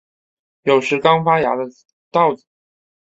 有时刚发芽的稻子